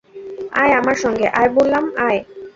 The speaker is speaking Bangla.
আয় আমার সঙ্গে, আয় বললাম, আয়।